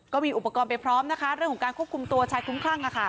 ก็มีอุปกรณ์ไปพร้อมนะคะเรื่องของการควบคุมตัวชายคุ้มคลั่ง